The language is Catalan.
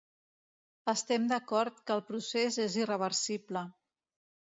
Estem d’acord que el procés és irreversible.